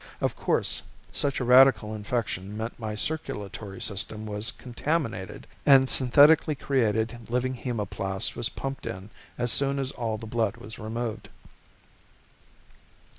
Of course, such a radical infection meant my circulatory system was contaminated and synthetically created living hemoplast was pumped in as soon as all the blood was removed.